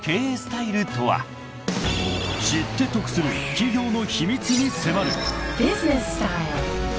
［知って得する企業の秘密に迫る］